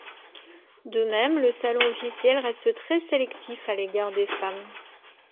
De même, le Salon officiel reste très sélectif à l'égard des femmes.